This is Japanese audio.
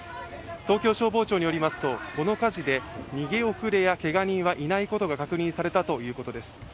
東京消防庁によりますと、この火事で逃げ遅れやけが人はいないことが確認されたということです。